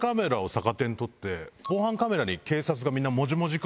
防犯カメラに。